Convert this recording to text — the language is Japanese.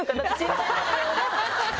ハハハハ！